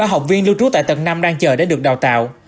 ba học viên lưu trú tại tầng năm đang chờ để được đào tạo